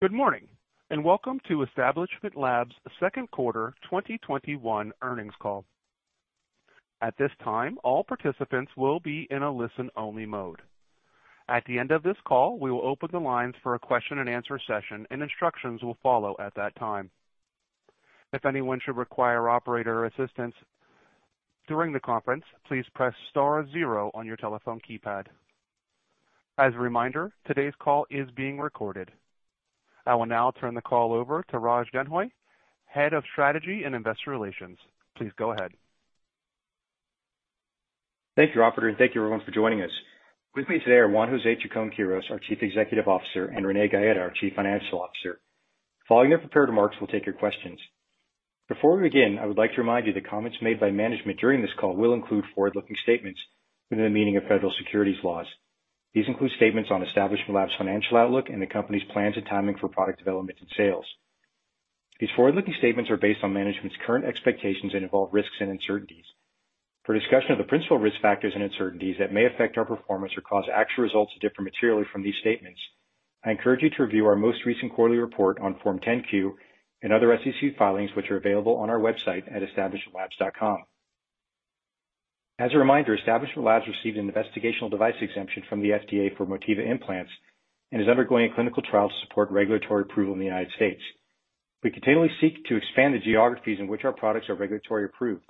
Good morning. Welcome to Establishment Labs' second quarter 2021 earnings call. At this time, all participants will be in a listen-only mode. At the end of this call, we will open the lines for a question and answer session, and instructions will follow at that time. If anyone should require operator assistance during the conference, please press star zero on your telephone keypad. As a reminder, today's call is being recorded. I will now turn the call over to Raj Denhoy, Head of Strategy and Investor Relations. Please go ahead. Thank you, operator, and thank you everyone for joining us. With me today are Juan José Chacón-Quirós, our Chief Executive Officer, and Renee Gaeta, our Chief Financial Officer. Following their prepared remarks, we'll take your questions. Before we begin, I would like to remind you that comments made by management during this call will include forward-looking statements within the meaning of federal securities laws. These include statements on Establishment Labs' financial outlook and the company's plans and timing for product development and sales. These forward-looking statements are based on management's current expectations and involve risks and uncertainties. For a discussion of the principal risk factors and uncertainties that may affect our performance or cause actual results to differ materially from these statements, I encourage you to review our most recent quarterly report on Form 10-Q and other SEC filings, which are available on our website at establishmentlabs.com. As a reminder, Establishment Labs received an investigational device exemption from the FDA for Motiva Implants and is undergoing a clinical trial to support regulatory approval in the United States. We continually seek to expand the geographies in which our products are regulatory approved.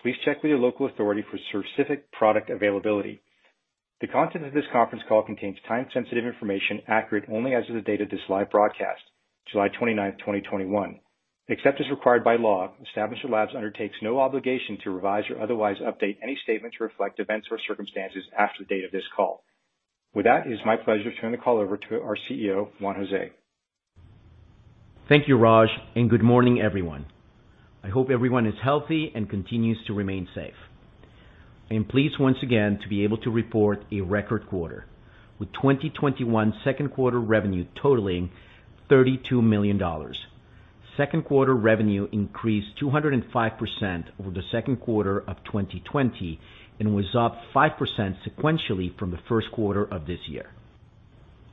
Please check with your local authority for specific product availability. The content of this conference call contains time-sensitive information accurate only as of the date of this live broadcast, July 29th, 2021. Except as required by law, Establishment Labs undertakes no obligation to revise or otherwise update any statements to reflect events or circumstances after the date of this call. With that, it is my pleasure to turn the call over to our CEO, Juan José. Thank you, Raj, and good morning, everyone. I hope everyone is healthy and continues to remain safe. I am pleased once again to be able to report a record quarter, with 2021 second quarter revenue totaling $32 million. Second quarter revenue increased 205% over the second quarter of 2020 and was up 5% sequentially from the first quarter of this year.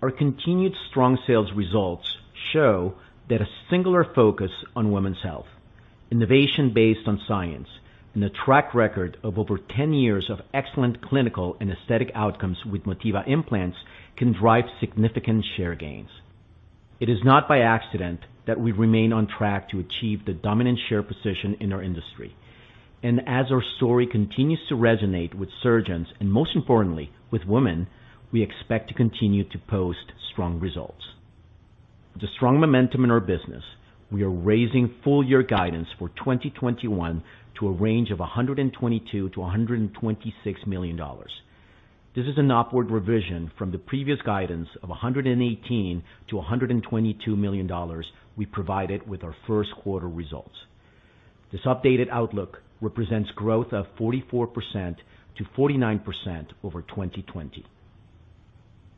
Our continued strong sales results show that a singular focus on women's health, innovation based on science, and a track record of over 10 years of excellent clinical and aesthetic outcomes with Motiva Implants can drive significant share gains. It is not by accident that we remain on track to achieve the dominant share position in our industry. As our story continues to resonate with surgeons and most importantly, with women, we expect to continue to post strong results. With the strong momentum in our business, we are raising full-year guidance for 2021 to a range of $122 million-$126 million. This is an upward revision from the previous guidance of $118 million-$122 million we provided with our first quarter results. This updated outlook represents growth of 44%-49% over 2020.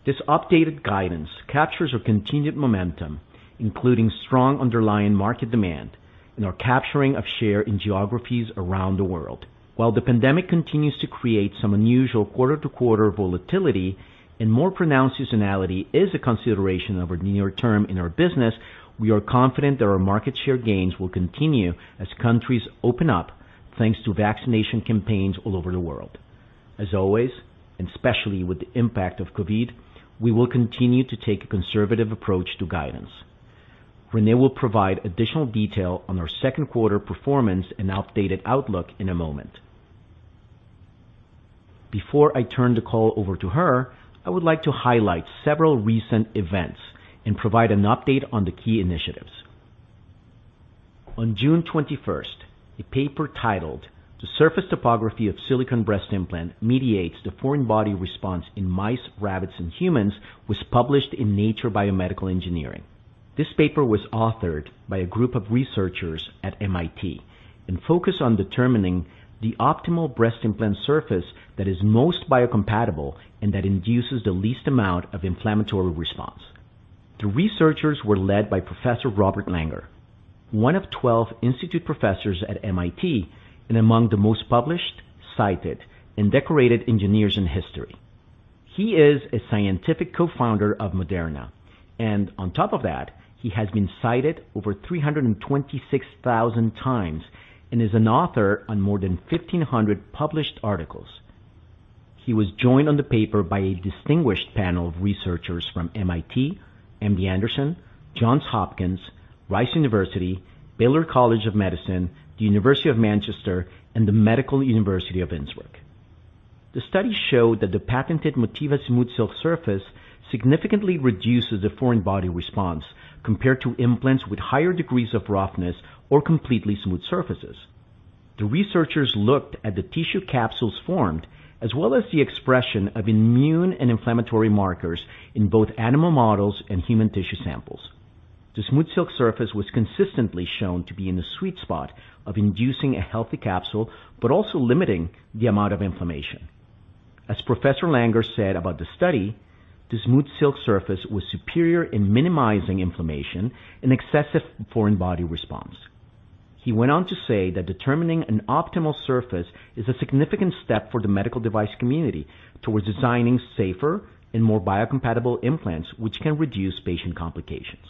This updated guidance captures our continued momentum, including strong underlying market demand and our capturing of share in geographies around the world. While the pandemic continues to create some unusual quarter-to-quarter volatility and more pronounced seasonality is a consideration over the near term in our business, we are confident that our market share gains will continue as countries open up, thanks to vaccination campaigns all over the world. As always, and especially with the impact of COVID, we will continue to take a conservative approach to guidance. Renee will provide additional detail on our second quarter performance and updated outlook in a moment. Before I turn the call over to her, I would like to highlight several recent events and provide an update on the key initiatives. On June 21st, a paper titled, The Surface Topography of Silicone Breast Implant Mediates the Foreign Body Response in Mice, Rabbits, and Humans, was published in Nature Biomedical Engineering. This paper was authored by a group of researchers at MIT and focused on determining the optimal breast implant surface that is most biocompatible and that induces the least amount of inflammatory response. The researchers were led by Professor Robert Langer, one of 12 Institute Professors at MIT and among the most published, cited, and decorated engineers in history. He is a scientific co-founder of Moderna, and on top of that, he has been cited over 326,000 times and is an author on more than 1,500 published articles. He was joined on the paper by a distinguished panel of researchers from MIT, MD Anderson, Johns Hopkins, Rice University, Baylor College of Medicine, The University of Manchester, and the Medical University of Innsbruck. The study showed that the patented Motiva SmoothSilk surface significantly reduces the foreign body response compared to implants with higher degrees of roughness or completely smooth surfaces. The researchers looked at the tissue capsules formed, as well as the expression of immune and inflammatory markers in both animal models and human tissue samples. The SmoothSilk surface was consistently shown to be in the sweet spot of inducing a healthy capsule but also limiting the amount of inflammation. As Professor Langer said about the study, the SmoothSilk surface was superior in minimizing inflammation and excessive foreign body response. He went on to say that determining an optimal surface is a significant step for the medical device community towards designing safer and more biocompatible implants which can reduce patient complications.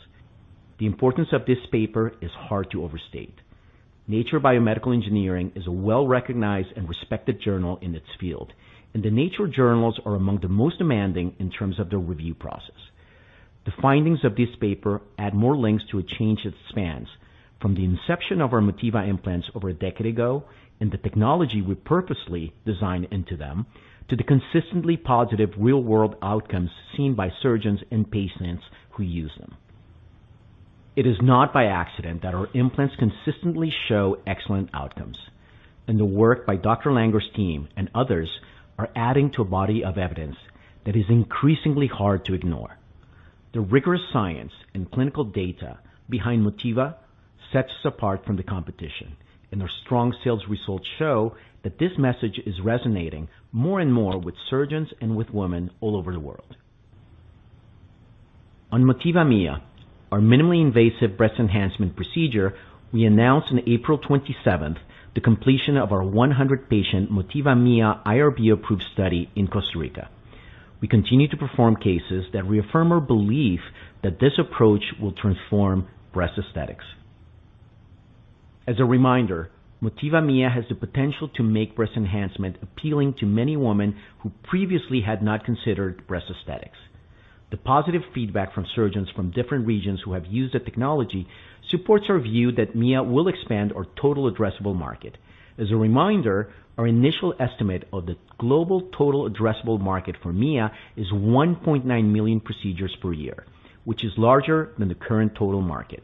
The importance of this paper is hard to overstate. Nature Biomedical Engineering, is a well-recognized and respected journal in its field, and the Nature journals are among the most demanding in terms of their review process. The findings of this paper add more links to a chain that spans from the inception of our Motiva Implants over a decade ago, and the technology we purposely designed into them, to the consistently positive real-world outcomes seen by surgeons and patients who use them. It is not by accident that our implants consistently show excellent outcomes. The work by Dr. Robert Langer's team and others are adding to a body of evidence that is increasingly hard to ignore. The rigorous science and clinical data behind Motiva sets us apart from the competition, and our strong sales results show that this message is resonating more and more with surgeons and with women all over the world. On Motiva MIA, our minimally invasive breast enhancement procedure, we announced on April 27th the completion of our 100-patient Motiva MIA IRB-approved study in Costa Rica. We continue to perform cases that reaffirm our belief that this approach will transform breast aesthetics. As a reminder, Motiva MIA has the potential to make breast enhancement appealing to many women who previously had not considered breast aesthetics. The positive feedback from surgeons from different regions who have used the technology supports our view that Mia will expand our total addressable market. As a reminder, our initial estimate of the global total addressable market for Mia is 1.9 million procedures per year, which is larger than the current total market.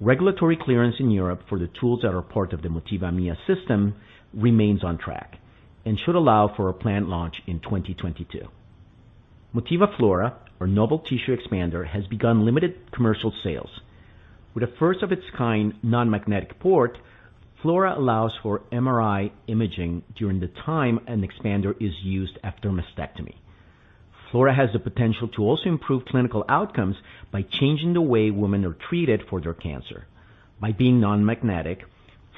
Regulatory clearance in Europe for the tools that are part of the Motiva Mia system remains on track and should allow for a planned launch in 2022. Motiva Flora, our novel tissue expander, has begun limited commercial sales. With a first-of-its-kind non-magnetic port, Flora allows for MRI imaging during the time an expander is used after mastectomy. Flora has the potential to also improve clinical outcomes by changing the way women are treated for their cancer. By being non-magnetic,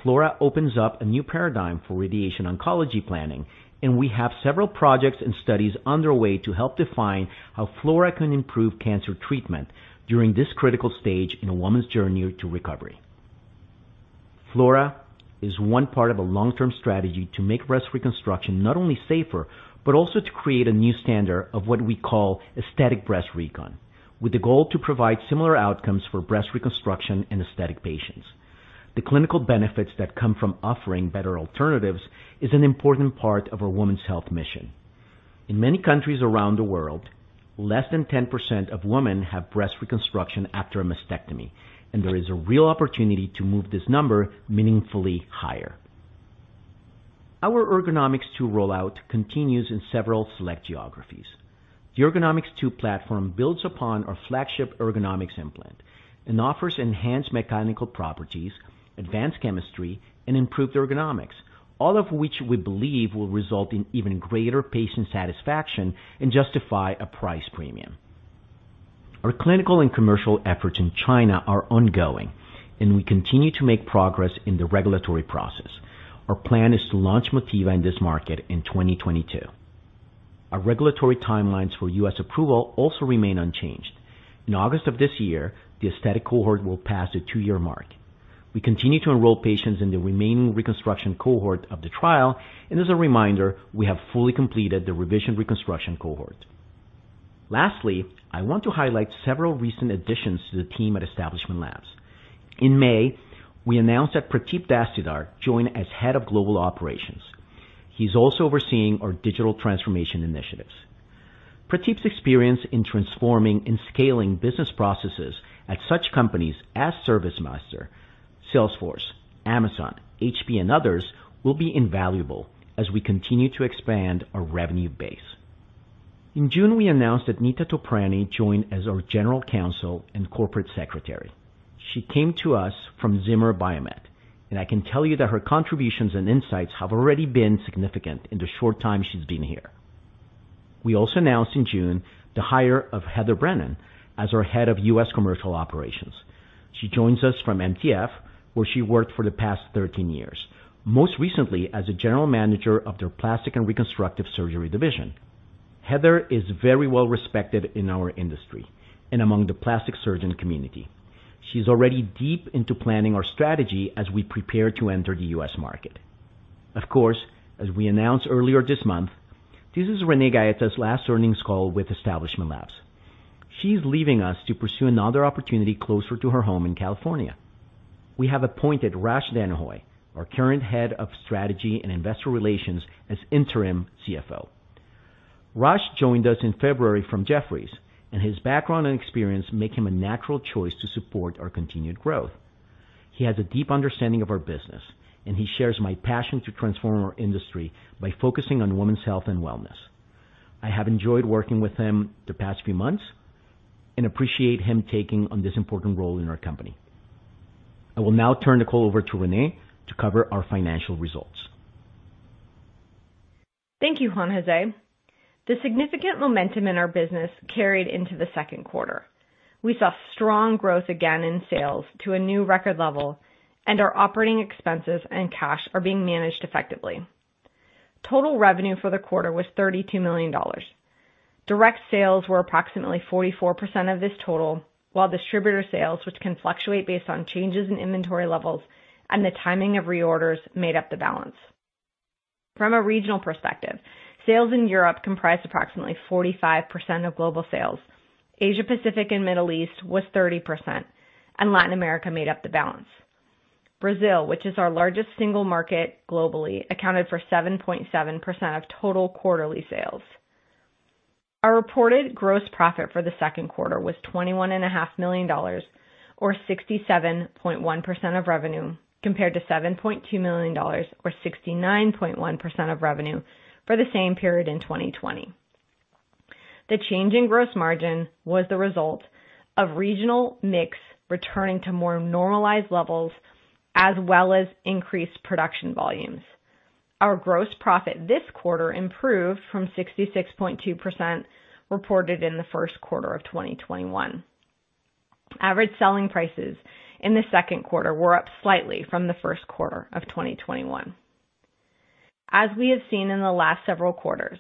Flora opens up a new paradigm for radiation oncology planning, and we have several projects and studies underway to help define how Flora can improve cancer treatment during this critical stage in a woman's journey to recovery. Flora is one part of a long-term strategy to make breast reconstruction not only safer, but also to create a new standard of what we call aesthetic breast recon, with the goal to provide similar outcomes for breast reconstruction and aesthetic patients. The clinical benefits that come from offering better alternatives is an important part of our women's health mission. In many countries around the world, less than 10% of women have breast reconstruction after a mastectomy, and there is a real opportunity to move this number meaningfully higher. Our Ergonomix2 rollout continues in several select geographies. The Ergonomix2 platform builds upon our flagship Ergonomix implant and offers enhanced mechanical properties, advanced chemistry, and improved ergonomics, all of which we believe will result in even greater patient satisfaction and justify a price premium. Our clinical and commercial efforts in China are ongoing, and we continue to make progress in the regulatory process. Our plan is to launch Motiva in this market in 2022. Our regulatory timelines for U.S. approval also remain unchanged. In August of this year, the aesthetic cohort will pass the two-year mark. We continue to enroll patients in the remaining reconstruction cohort of the trial, and as a reminder, we have fully completed the revision-reconstruction cohort. Lastly, I want to highlight several recent additions to the team at Establishment Labs. In May, we announced that Pratip Dastidar joined as Head of Global Operations. He's also overseeing our digital transformation initiatives. Pratip's experience in transforming and scaling business processes at such companies as ServiceMaster, Salesforce, Amazon, HP, and others will be invaluable as we continue to expand our revenue base. In June, we announced that Neeta Toprani joined as our General Counsel and Corporate Secretary. She came to us from Zimmer Biomet, and I can tell you that her contributions and insights have already been significant in the short time she's been here. We also announced in June the hire of Heather Brennan as our Head of U.S. Commercial Operations. She joins us from MTF, where she worked for the past 13 years, most recently as a General Manager of their Plastic and Reconstructive Surgery division. Heather is very well respected in our industry and among the plastic surgeon community. She's already deep into planning our strategy as we prepare to enter the U.S. market. Of course, as we announced earlier this month, this is Renee Gaeta's last earnings call with Establishment Labs. She's leaving us to pursue another opportunity closer to her home in California. We have appointed Raj Denhoy, our current Head of Strategy and Investor Relations, as interim CFO. Raj joined us in February from Jefferies, and his background and experience make him a natural choice to support our continued growth. He has a deep understanding of our business, and he shares my passion to transform our industry by focusing on women's health and wellness. I have enjoyed working with him the past few months and appreciate him taking on this important role in our company. I will now turn the call over to Renee to cover our financial results. Thank you, Juan José. The significant momentum in our business carried into the second quarter. We saw strong growth again in sales to a new record level, and our operating expenses and cash are being managed effectively. Total revenue for the quarter was $32 million. Direct sales were approximately 44% of this total, while distributor sales, which can fluctuate based on changes in inventory levels and the timing of reorders, made up the balance. From a regional perspective, sales in Europe comprised approximately 45% of global sales. Asia-Pacific and Middle East was 30%, and Latin America made up the balance. Brazil, which is our largest single market globally, accounted for 7.7% of total quarterly sales. Our reported gross profit for the second quarter was $21.5 million, or 67.1% of revenue, compared to $7.2 million, or 69.1% of revenue, for the same period in 2020. The change in gross margin was the result of regional mix returning to more normalized levels, as well as increased production volumes. Our gross profit this quarter improved from 66.2% reported in the first quarter of 2021. Average selling prices in the second quarter were up slightly from the first quarter of 2021. As we have seen in the last several quarters,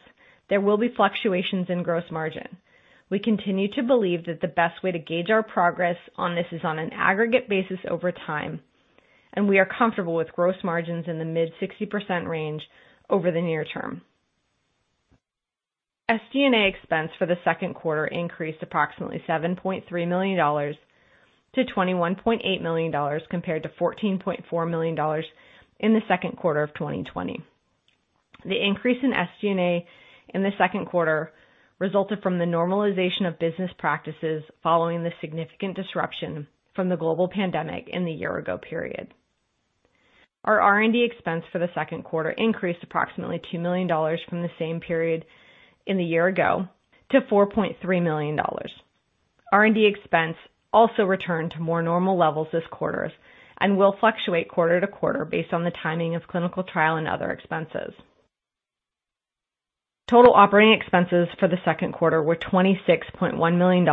there will be fluctuations in gross margin. We continue to believe that the best way to gauge our progress on this is on an aggregate basis over time, and we are comfortable with gross margins in the mid-60% range over the near term. SG&A expense for the second quarter increased approximately $7.3 million to $21.8 million, compared to $14.4 million in the second quarter of 2020. The increase in SG&A in the second quarter resulted from the normalization of business practices following the significant disruption from the global pandemic in the year-ago period. Our R&D expense for the second quarter increased approximately $2 million from the same period in the year ago to $4.3 million. R&D expense also returned to more normal levels this quarter and will fluctuate quarter to quarter based on the timing of clinical trial and other expenses. Total operating expenses for the second quarter were $26.1 million,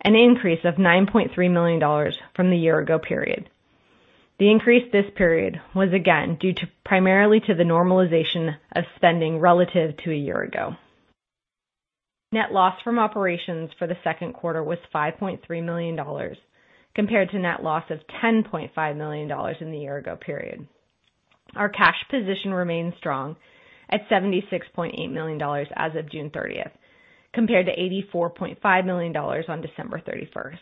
an increase of $9.3 million from the year-ago period. The increase this period was again due primarily to the normalization of spending relative to a year ago. Net loss from operations for the second quarter was $5.3 million, compared to net loss of $10.5 million in the year-ago period. Our cash position remains strong at $76.8 million as of June 30th, compared to $84.5 million on December 31st.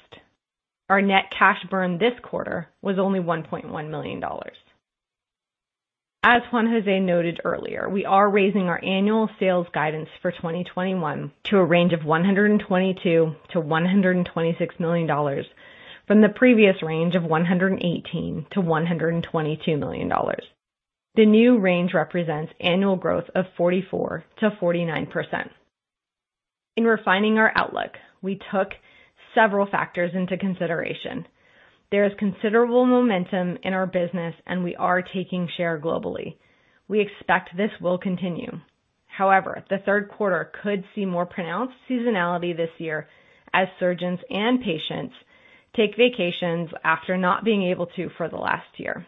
Our net cash burn this quarter was only $1.1 million. As Juan José noted earlier, we are raising our annual sales guidance for 2021 to a range of $122 million-$126 million from the previous range of $118 million-$122 million. The new range represents annual growth of 44%-49%. In refining our outlook, we took several factors into consideration. There is considerable momentum in our business, and we are taking share globally. We expect this will continue. However, the third quarter could see more pronounced seasonality this year as surgeons and patients take vacations after not being able to for the last year.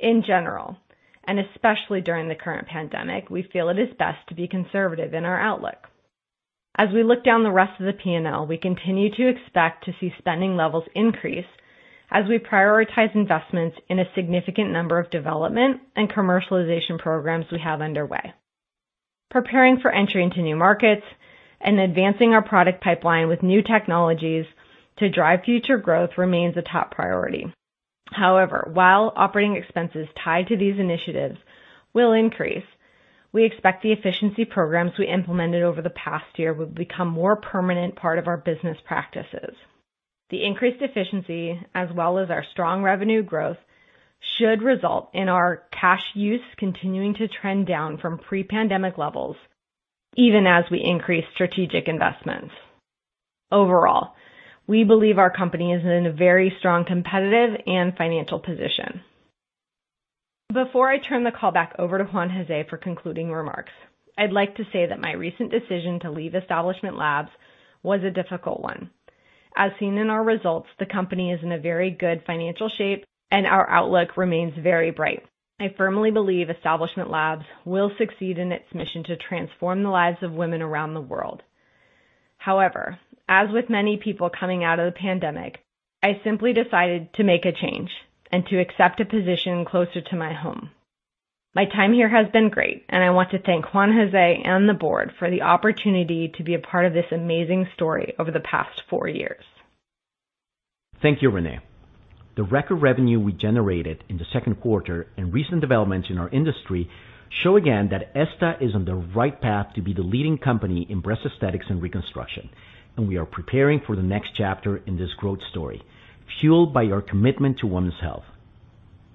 In general, and especially during the current pandemic, we feel it is best to be conservative in our outlook. As we look down the rest of the P&L, we continue to expect to see spending levels increase as we prioritize investments in a significant number of development and commercialization programs we have underway. Preparing for entry into new markets and advancing our product pipeline with new technologies to drive future growth remains a top priority. While operating expenses tied to these initiatives will increase, we expect the efficiency programs we implemented over the past year will become more permanent part of our business practices. The increased efficiency, as well as our strong revenue growth, should result in our cash use continuing to trend down from pre-pandemic levels even as we increase strategic investments. We believe our company is in a very strong competitive and financial position. Before I turn the call back over to Juan José for concluding remarks, I'd like to say that my recent decision to leave Establishment Labs was a difficult one. As seen in our results, the company is in a very good financial shape, and our outlook remains very bright. I firmly believe Establishment Labs will succeed in its mission to transform the lives of women around the world. However, as with many people coming out of the pandemic, I simply decided to make a change and to accept a position closer to my home. My time here has been great, and I want to thank Juan José and the board for the opportunity to be a part of this amazing story over the past four years. Thank you, Renee. The record revenue we generated in the second quarter and recent developments in our industry show again that ESTA is on the right path to be the leading company in breast aesthetics and reconstruction. We are preparing for the next chapter in this growth story, fueled by our commitment to women's health.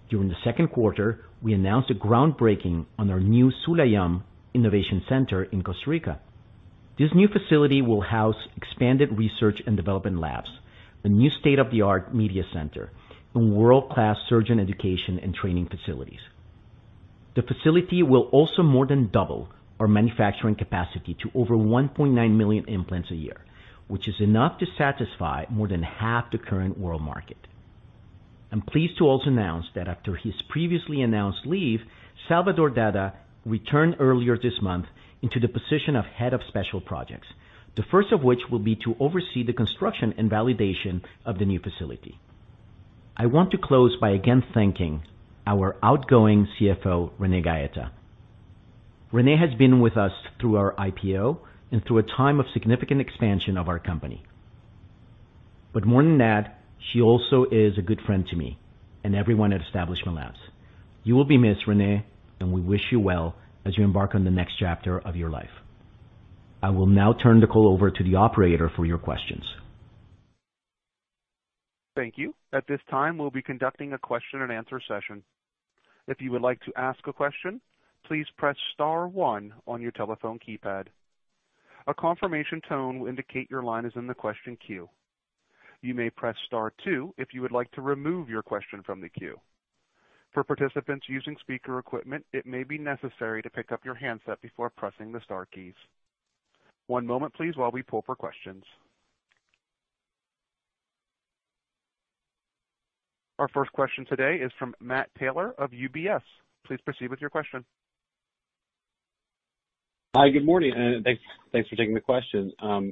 During the second quarter, we announced a groundbreaking on our new Sulàyöm Innovation Center in Costa Rica. This new facility will house expanded research and development labs, a new state-of-the-art media center, and world-class surgeon education and training facilities. The facility will also more than double our manufacturing capacity to over 1.9 million implants a year, which is enough to satisfy more than half the current world market. I'm pleased to also announce that after his previously announced leave, Salvador Dada returned earlier this month into the position of head of special projects, the first of which will be to oversee the construction and validation of the new facility. I want to close by again thanking our outgoing CFO, Renee Gaeta. Renee has been with us through our IPO and through a time of significant expansion of our company. More than that, she also is a good friend to me and everyone at Establishment Labs. You will be missed, Renee, and we wish you well as you embark on the next chapter of your life. I will now turn the call over to the operator for your questions. Thank you. At this time, we'll be conducting a question and answer session. If you would like to ask a question, please press star one on your telephone keypad. A confirmation tone will indicate your line is in the question queue. You may press star two if you would like to remove your question from the queue. For participants using speaker equipment, it may be necessary to pick up your handset before pressing the star keys. One moment, please, while we pull for questions. Our first question today is from Matt Taylor of UBS. Please proceed with your question. Hi. Good morning, and thanks for taking the question. I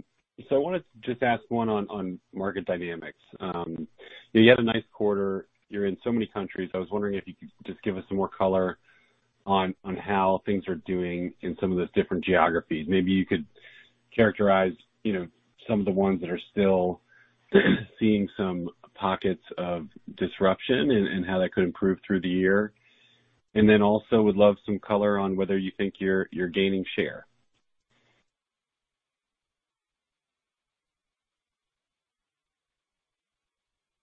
wanted to just ask one on market dynamics. You had a nice quarter. You're in so many countries. I was wondering if you could just give us some more color on how things are doing in some of those different geographies. Maybe you could characterize some of the ones that are still seeing some pockets of disruption and how that could improve through the year. Also would love some color on whether you think you're gaining share.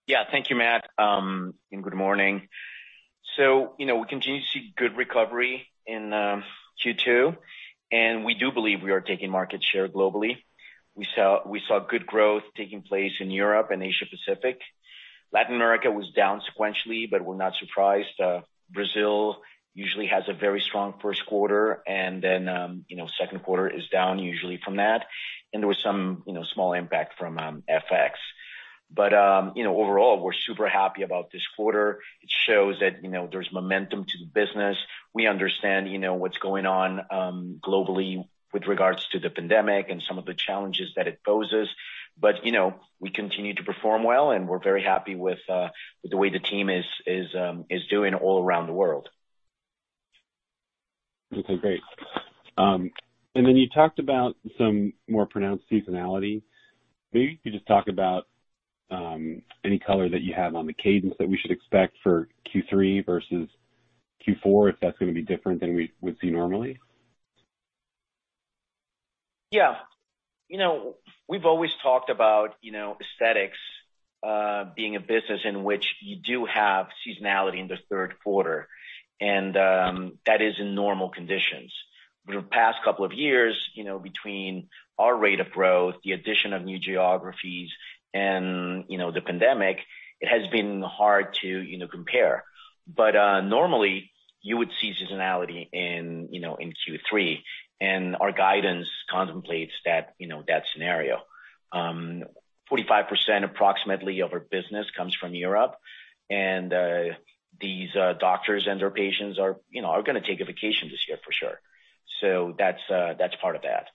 Yeah. Thank you, Matt, and good morning. We continue to see good recovery in Q2, and we do believe we are taking market share globally. We saw good growth taking place in Europe and Asia Pacific. Latin America was down sequentially, we're not surprised. Brazil usually has a very strong first quarter, and then second quarter is down usually from that. There was some small impact from FX. Overall, we're super happy about this quarter. It shows that there's momentum to the business. We understand what's going on globally with regards to the pandemic and some of the challenges that it poses. We continue to perform well, and we're very happy with the way the team is doing all around the world. Okay, great. You talked about some more pronounced seasonality. Maybe you could just talk about any color that you have on the cadence that we should expect for Q3 versus Q4, if that's going to be different than we would see normally. Yeah. We've always talked about aesthetics being a business in which you do have seasonality in the third quarter, and that is in normal conditions. For the past couple of years, between our rate of growth, the addition of new geographies, and the pandemic, it has been hard to compare. Normally, you would see seasonality in Q3, and our guidance contemplates that scenario. 45%, approximately, of our business comes from Europe, and these doctors and their patients are going to take a vacation this year for sure. That's part of that.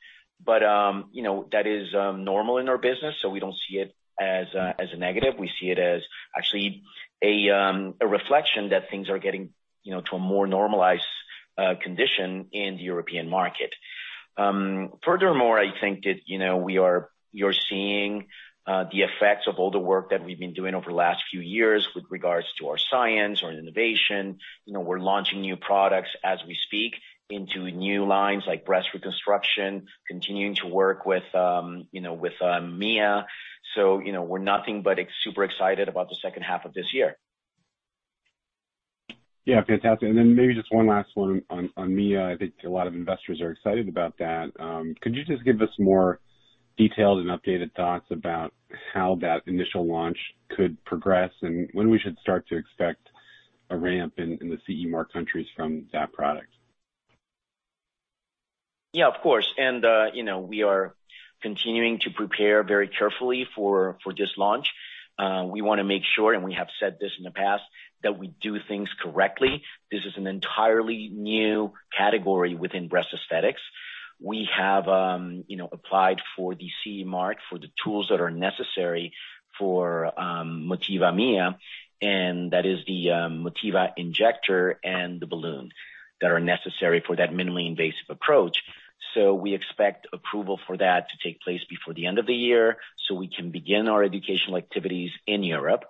That is normal in our business, so we don't see it as a negative. We see it as actually a reflection that things are getting to a more normalized condition in the European market. I think that you're seeing the effects of all the work that we've been doing over the last few years with regards to our science or innovation. We're launching new products as we speak into new lines like breast reconstruction, continuing to work with Mia. We're nothing but super excited about the second half of this year. Yeah. Fantastic. Maybe just one last one on Mia. I think a lot of investors are excited about that. Could you just give us more detailed and updated thoughts about how that initial launch could progress and when we should start to expect a ramp in the CE mark countries from that product? Yeah, of course. We are continuing to prepare very carefully for this launch. We want to make sure, and we have said this in the past, that we do things correctly. This is an entirely new category within breast aesthetics. We have applied for the CE mark for the tools that are necessary for Motiva MIA, and that is the Motiva Injector and the balloon that are necessary for that minimally invasive approach. We expect approval for that to take place before the end of the year, so we can begin our educational activities in Europe.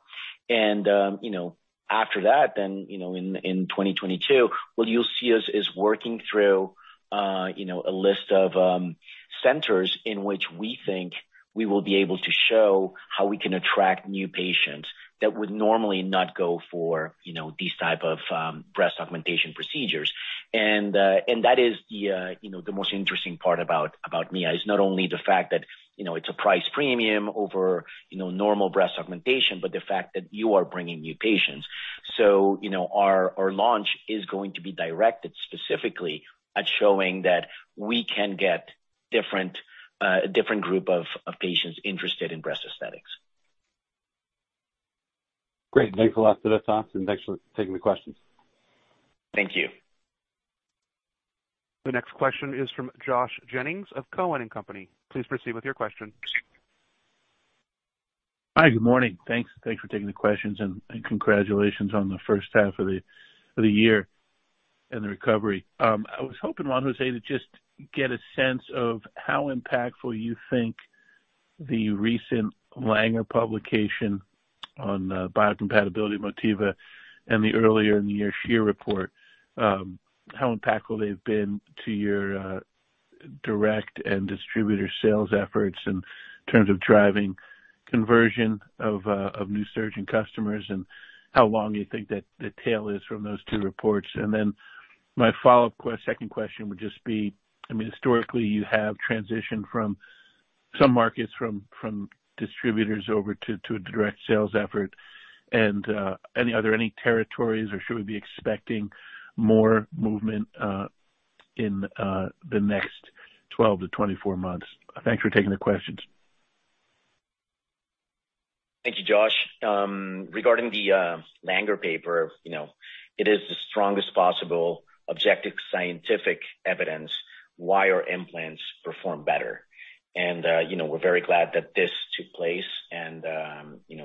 After that, in 2022, what you'll see us is working through a list of centers in which we think we will be able to show how we can attract new patients that would normally not go for these type of breast augmentation procedures. That is the most interesting part about Mia. It's not only the fact that it's a price premium over normal breast augmentation, but the fact that you are bringing new patients. Our launch is going to be directed specifically at showing that we can get a different group of patients interested in breast aesthetics. Great. Thanks a lot for those thoughts, and thanks for taking the questions. Thank you. The next question is from Josh Jennings of Cowen and Company. Please proceed with your question. Hi, good morning. Thanks for taking the questions, congratulations on the first half of the year and the recovery. I was hoping, Juan José, to just get a sense of how impactful you think the recent Langer publication on the biocompatibility of Motiva and the earlier-in-the-year SCHEER report, how impactful they've been to your direct and distributor sales efforts in terms of driving conversion of new surgeon customers, and how long you think that the tail is from those two reports. Then my follow-up second question would just be, historically, you have transitioned some markets from distributors over to a direct sales effort. Are there any territories, or should we be expecting more movement in the next 12 to 24 months? Thanks for taking the questions. Thank you, Josh. Regarding the Langer paper, it is the strongest possible objective scientific evidence why our implants perform better. We're very glad that this took place, and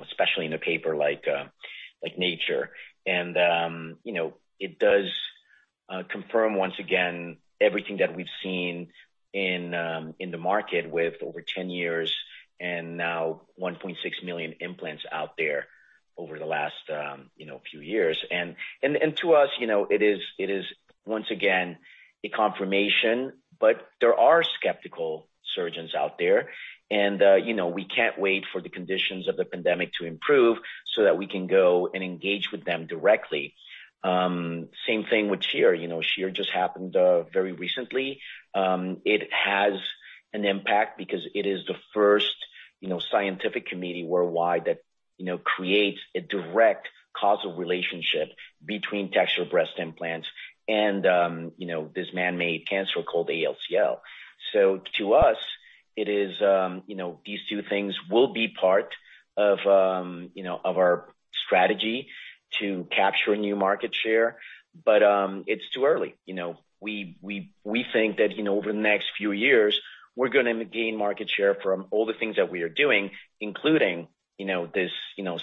especially in a paper like "Nature." It does confirm, once again, everything that we've seen in the market with over 10 years and now 1.6 million implants out there over the last few years. To us, it is, once again, a confirmation. There are skeptical surgeons out there, and we can't wait for the conditions of the pandemic to improve so that we can go and engage with them directly. Same thing with SCHEER. SCHEER just happened very recently. It has an impact because it is the first scientific committee worldwide that creates a direct causal relationship between textured breast implants and this man-made cancer called ALCL. To us, these two things will be part of our strategy to capture a new market share. It's too early. We think that over the next few years, we're going to gain market share from all the things that we are doing, including this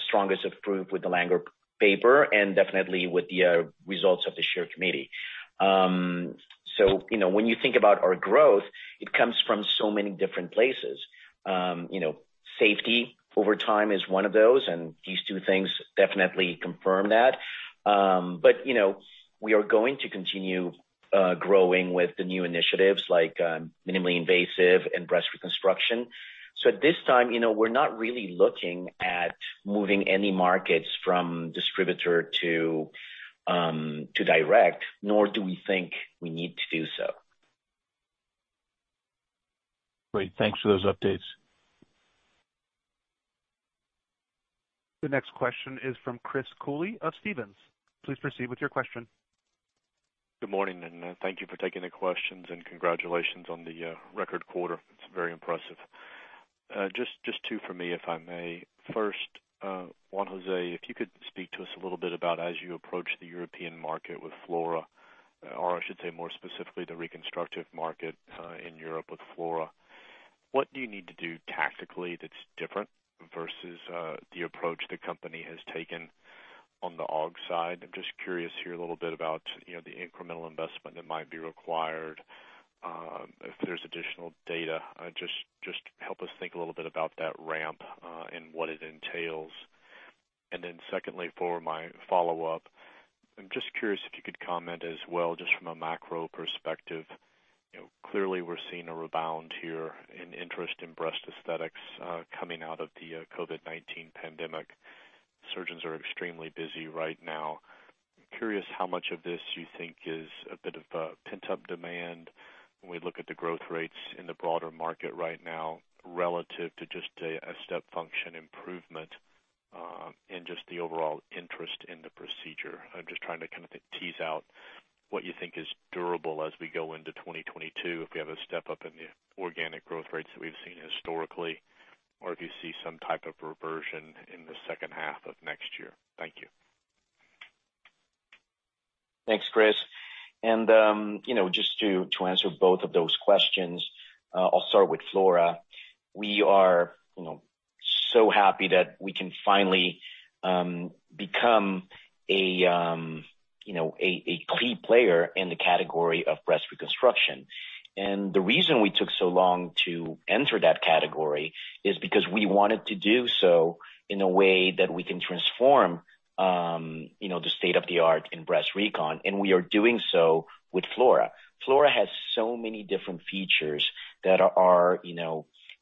strongest of proof with the Langer paper and definitely with the results of the SCHEER committee. When you think about our growth, it comes from so many different places. Safety over time is one of those, and these two things definitely confirm that. We are going to continue growing with the new initiatives like minimally invasive and breast reconstruction. At this time, we're not really looking at moving any markets from distributor to direct, nor do we think we need to do so. Great. Thanks for those updates. The next question is from Chris Cooley of Stephens. Please proceed with your question. Good morning, thank you for taking the questions. Congratulations on the record quarter. It's very impressive. Just two from me, if I may. First, Juan José, if you could speak to us a little bit about as you approach the European market with Flora, or I should say more specifically, the reconstructive market in Europe with Flora, what do you need to do tactically that's different versus the approach the company has taken on the aug side? I'm just curious here a little about the incremental investment that might be required, if there's additional data. Just help us think a little bit about that ramp, and what it entails. Then secondly, for my follow-up, I'm just curious if you could comment as well, just from a macro perspective. Clearly, we're seeing a rebound here in interest in breast aesthetics coming out of the COVID-19 pandemic. Surgeons are extremely busy right now. I'm curious how much of this you think is a bit of a pent-up demand when we look at the growth rates in the broader market right now relative to just a step function improvement, and just the overall interest in the procedure. I'm just trying to kind of tease out what you think is durable as we go into 2022, if we have a step up in the organic growth rates that we've seen historically, or if you see some type of reversion in the second half of next year. Thank you. Thanks, Chris. Just to answer both of those questions, I'll start with Flora. We are so happy that we can finally become a key player in the category of breast reconstruction. The reason we took so long to enter that category is because we wanted to do so in a way that we can transform the state-of-the-art in breast recon, and we are doing so with Flora. Flora has so many different features that are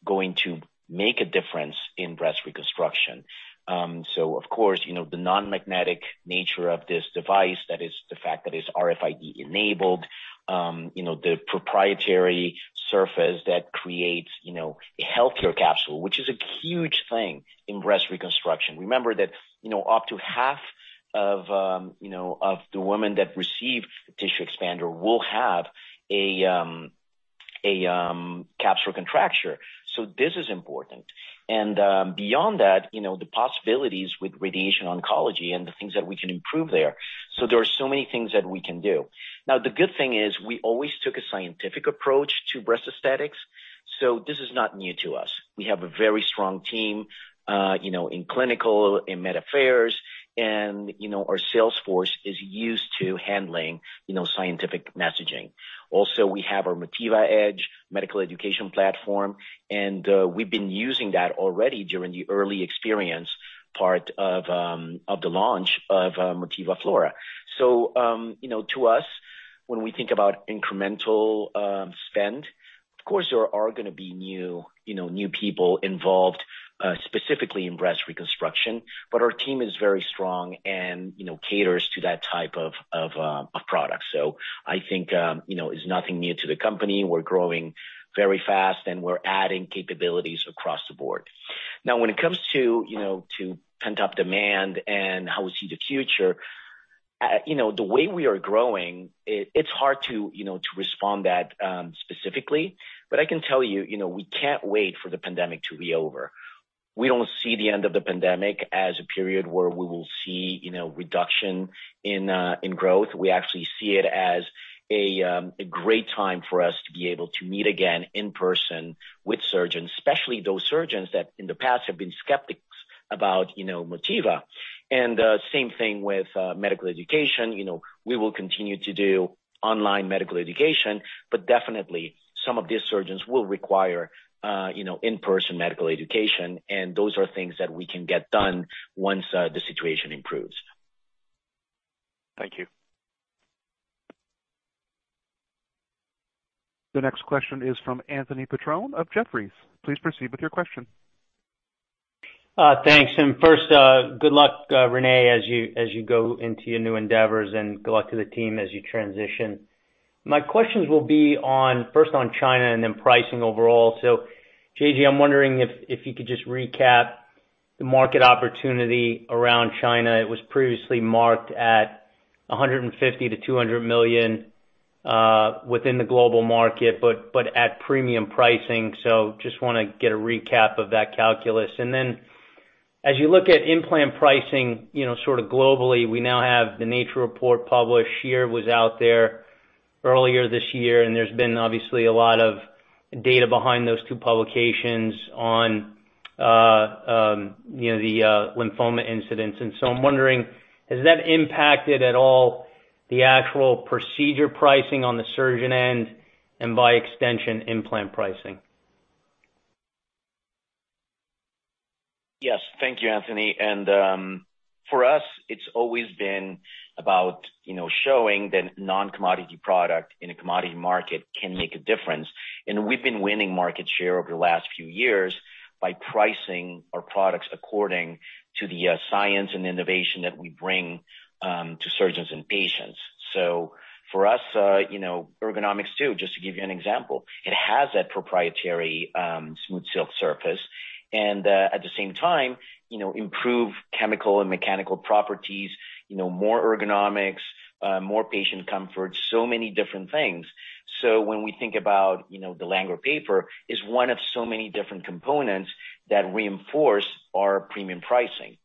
going to make a difference in breast reconstruction. Of course, the non-magnetic nature of this device, that is the fact that it's RFID enabled. The proprietary surface that creates a healthy capsule, which is a huge thing in breast reconstruction. Remember that up to half of the women that receive tissue expander will have a capsular contracture. This is important. Beyond that, the possibilities with radiation oncology and the things that we can improve there. There are so many things that we can do. The good thing is we always took a scientific approach to breast aesthetics, so this is not new to us. We have a very strong team in clinical, in med affairs, and our sales force is used to handling scientific messaging. We have our MotivaEDGE medical education platform, and we've been using that already during the early experience part of the launch of Motiva Flora. To us, when we think about incremental spend, of course, there are going to be new people involved, specifically in breast reconstruction. Our team is very strong and caters to that type of product. I think, it's nothing new to the company. We're growing very fast, and we're adding capabilities across the board. Now, when it comes to pent-up demand and how we see the future, the way we are growing, it's hard to respond that specifically. I can tell you, we can't wait for the pandemic to be over. We don't see the end of the pandemic as a period where we will see reduction in growth. We actually see it as a great time for us to be able to meet again in person with surgeons, especially those surgeons that in the past have been skeptics about Motiva. Same thing with medical education. We will continue to do online medical education, but definitely some of these surgeons will require in-person medical education, and those are things that we can get done once the situation improves. Thank you. The next question is from Anthony Petrone of Jefferies. Please proceed with your question. Thanks. First, good luck, Renee, as you go into your new endeavors, and good luck to the team as you transition. My questions will be first on China and then pricing overall. JJ, I'm wondering if you could just recap the market opportunity around China. It was previously marked at $150 million-$200 million within the global market, but at premium pricing. Just want to get a recap of that calculus. As you look at implant pricing sort of globally, we now have The Nature report published. SCHEER was out there earlier this year, and there's been obviously a lot of data behind those two publications on the lymphoma incidents. I'm wondering, has that impacted at all the actual procedure pricing on the surgeon end and by extension, implant pricing? Yes. Thank you, Anthony. For us, it's always been about showing that non-commodity product in a commodity market can make a difference. We've been winning market share over the last few years by pricing our products according to the science and innovation that we bring to surgeons and patients. For us, Ergonomix2, just to give you an example, it has that proprietary SmoothSilk surface and, at the same time, improved chemical and mechanical properties, more ergonomics, more patient comfort, so many different things. When we think about the Langer paper is one of so many different components that reinforce our premium pricing.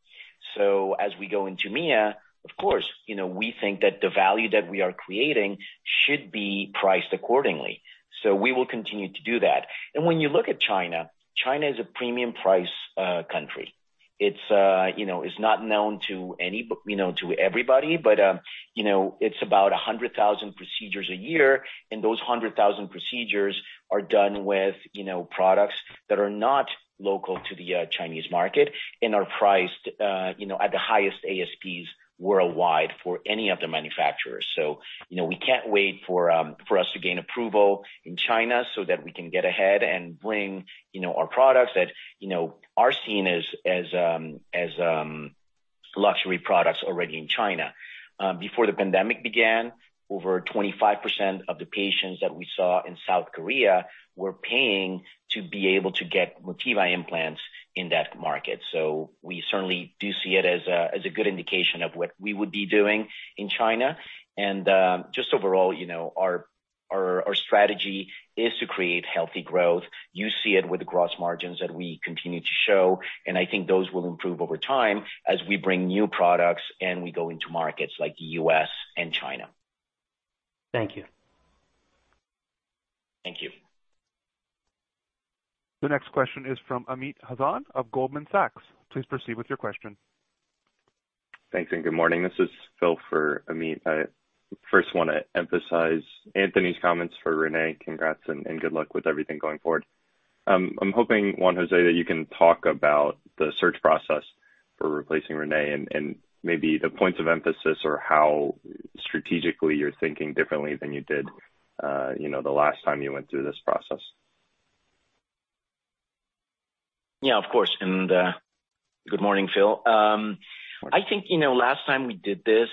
As we go into MIA, of course, we think that the value that we are creating should be priced accordingly. We will continue to do that. When you look at China is a premium price country. It's not known to everybody, but it's about 100,000 procedures a year, and those 100,000 procedures are done with products that are not local to the Chinese market and are priced at the highest ASPs worldwide for any of the manufacturers. We can't wait for us to gain approval in China so that we can get ahead and bring our products that are seen as luxury products already in China. Before the pandemic began, over 25% of the patients that we saw in South Korea were paying to be able to get Motiva Implants in that market. We certainly do see it as a good indication of what we would be doing in China. Just overall, our strategy is to create healthy growth. You see it with the gross margins that we continue to show, and I think those will improve over time as we bring new products and we go into markets like the U.S. and China. Thank you. Thank you. The next question is from Amit Hazan of Goldman Sachs. Please proceed with your question. Thanks, and good morning. This is Phil for Amit. I first want to emphasize Anthony's comments for Renee. Congrats and good luck with everything going forward. I'm hoping, Juan José, that you can talk about the search process for replacing Renee and maybe the points of emphasis or how strategically you're thinking differently than you did the last time you went through this process. Yeah, of course. Good morning, Phil. I think last time we did this,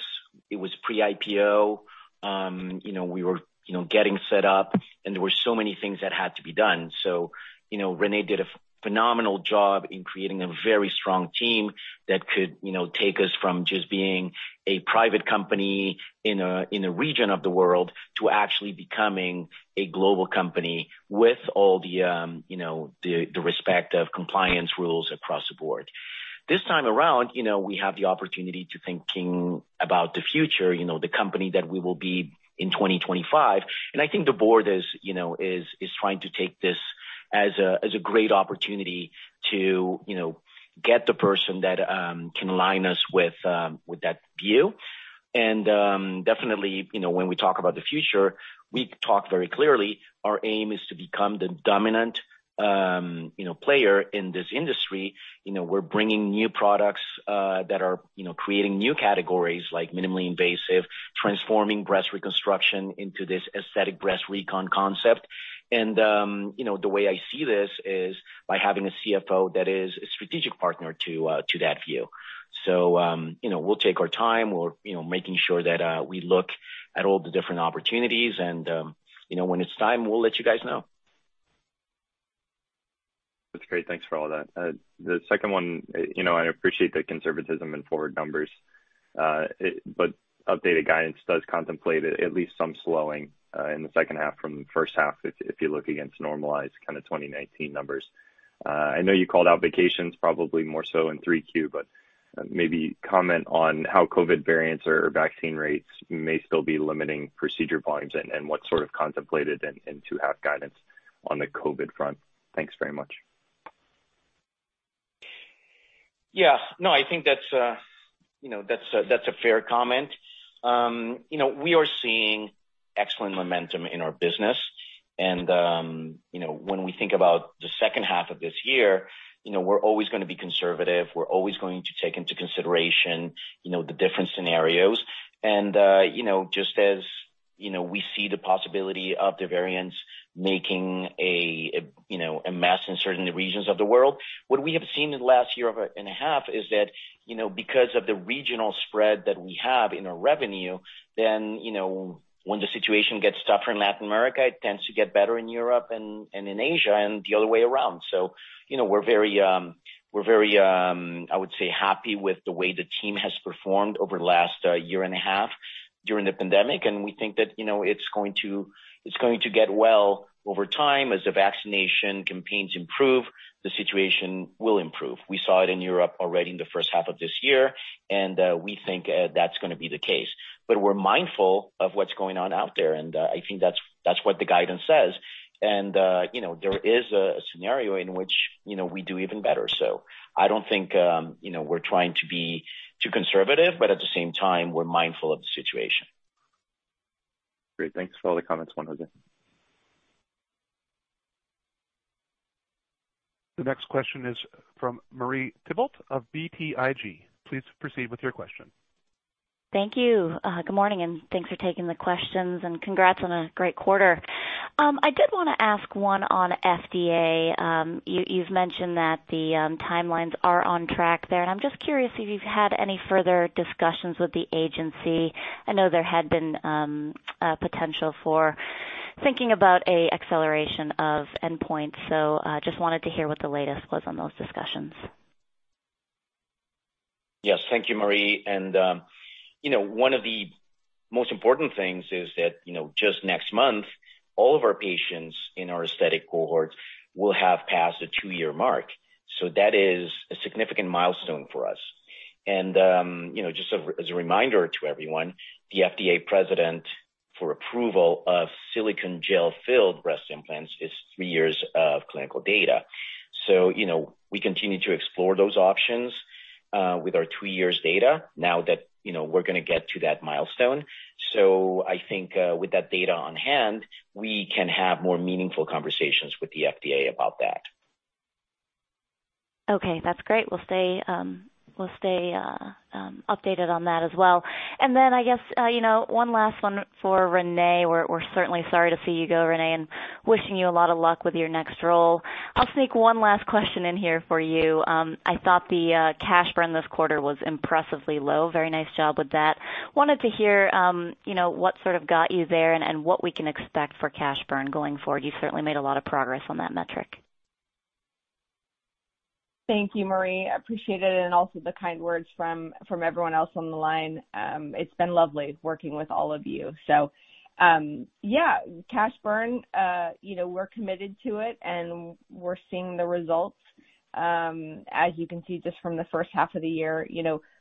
it was pre-IPO. We were getting set up and there were so many things that had to be done. Renee did a phenomenal job in creating a very strong team that could take us from just being a private company in a region of the world to actually becoming a global company with all the respective compliance rules across the board. This time around, we have the opportunity to thinking about the future, the company that we will be in 2025. I think the board is trying to take this as a great opportunity to get the person that can align us with that view. Definitely, when we talk about the future, we talk very clearly, our aim is to become the dominant player in this industry. We're bringing new products that are creating new categories, like minimally invasive, transforming breast reconstruction into this aesthetic breast recon concept. The way I see this is by having a CFO that is a strategic partner to that view. We'll take our time. We're making sure that we look at all the different opportunities, and when it's time, we'll let you guys know. That's great. Thanks for all that. The second one, I appreciate the conservatism in forward numbers. Updated guidance does contemplate at least some slowing in the second half from the first half if you look against normalized 2019 numbers. I know you called out vacations probably more so in Q3, but maybe comment on how COVID variants or vaccine rates may still be limiting procedure volumes and what's sort of contemplated in second-half guidance on the COVID front. Thanks very much. Yeah. No, I think that's a fair comment. We are seeing excellent momentum in our business. When we think about the second half of this year, we're always going to be conservative. We're always going to take into consideration the different scenarios. Just as we see the possibility of the variants making a mess in certain regions of the world, what we have seen in the last year and a half is that because of the regional spread that we have in our revenue, then when the situation gets tougher in Latin America, it tends to get better in Europe and in Asia and the other way around. We're very, I would say, happy with the way the team has performed over the last year and a half during the pandemic, and we think that it's going to get well over time. As the vaccination campaigns improve, the situation will improve. We saw it in Europe already in the first half of this year. We think that's going to be the case. We're mindful of what's going on out there. I think that's what the guidance says. There is a scenario in which we do even better. I don't think we're trying to be too conservative. At the same time, we're mindful of the situation. Great. Thanks for all the comments, Juan José. The next question is from Marie Thibault of BTIG. Please proceed with your question. Thank you. Good morning, thanks for taking the questions, and congrats on a great quarter. I did want to ask one on FDA. You've mentioned that the timelines are on track there, and I'm just curious if you've had any further discussions with the agency. I know there had been a potential for thinking about a acceleration of endpoint. Just wanted to hear what the latest was on those discussions. Yes. Thank you, Marie. One of the most important things is that just next month, all of our patients in our aesthetic cohort will have passed the two-year mark. That is a significant milestone for us. Just as a reminder to everyone, the FDA precedent for approval of silicone gel-filled breast implants is three years of clinical data. We continue to explore those options with our two years data now that we're going to get to that milestone. I think with that data on hand, we can have more meaningful conversations with the FDA about that. Okay, that's great. We'll stay updated on that as well. Then I guess one last one for Renee. We're certainly sorry to see you go, Renee, and wishing you a lot of luck with your next role. I'll sneak one last question in here for you. I thought the cash burn this quarter was impressively low. Very nice job with that. Wanted to hear what sort of got you there and what we can expect for cash burn going forward. You've certainly made a lot of progress on that metric. Thank you, Marie. I appreciate it, and also the kind words from everyone else on the line. It's been lovely working with all of you. Yeah, cash burn, we're committed to it, and we're seeing the results. As you can see just from the first half of the year,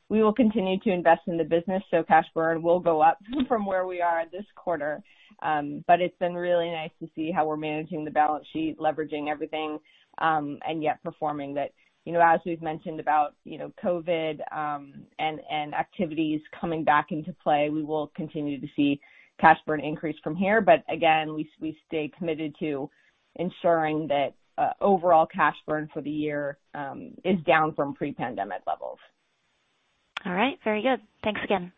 we will continue to invest in the business, so cash burn will go up from where we are this quarter. It's been really nice to see how we're managing the balance sheet, leveraging everything, and yet performing that. As we've mentioned about COVID and activities coming back into play, we will continue to see cash burn increase from here. Again, we stay committed to ensuring that overall cash burn for the year is down from pre-pandemic levels. All right. Very good. Thanks again.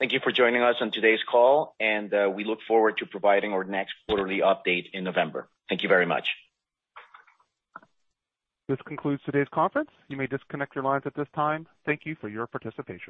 Thank you for joining us on today's call, and we look forward to providing our next quarterly update in November. Thank you very much. This concludes today's conference. You may disconnect your lines at this time. Thank you for your participation.